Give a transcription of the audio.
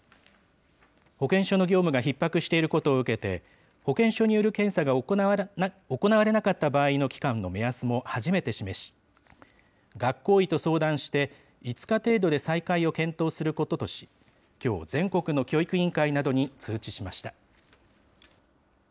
保健所の業務がひっ迫していることを受けて、保健所による検査が行われなかった場合の期間の目安も初めて示し、学校医と相談して５日程度で再開を検討することとし、きょう、全国の教育委員会などに通知しました。